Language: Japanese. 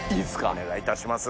お願いいたします。